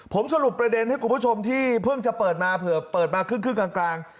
ผมสรุปประเด็นให้คุณผู้ชมที่เพิ่งจะเปิดมาเผื่อเปิดมาครึ่งกลาง